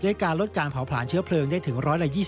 การลดการเผาผลาญเชื้อเพลิงได้ถึง๑๒๐